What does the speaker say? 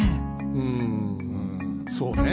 うんそうね